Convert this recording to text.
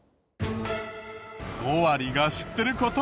５割が知ってる事。